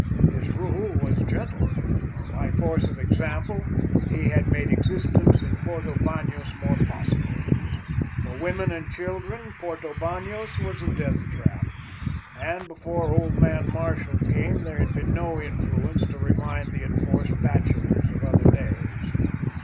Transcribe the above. His rule was gentle. By force of example he had made existence in Porto Banos more possible. For women and children Porto Banos was a death trap, and before "old man Marshall" came there had been no influence to remind the enforced bachelors of other days.